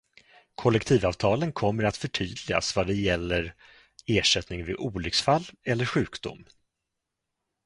Kollektivavtalen kommer att förtydligas vad det gäller ersättning vid olycksfall eller sjukdom.